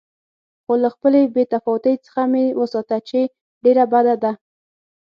خو له خپلې بې تفاوتۍ څخه مې وساته چې ډېره بده ده.